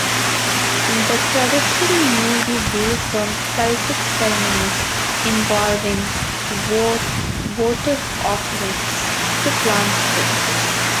This tradition may be based on Celtic ceremonies, involving votive offerings to water spirits.